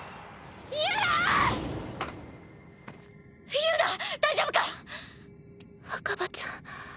友奈大丈夫か⁉若葉ちゃん。